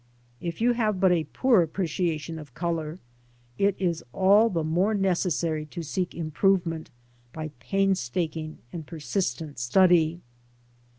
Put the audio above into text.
If you have but a poor appreciation of colour, it is all the more necessary to seek improvement by painstaking and persistent study.